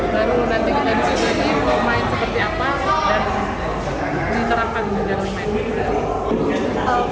baru nanti kita bisa lihat main seperti apa dan menerapkan kejadian main